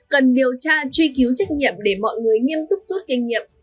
cần điều tra truy cứu trách nhiệm để mọi người nghiêm túc rút kinh nghiệm